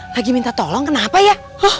lagi minta tolong kenapa ya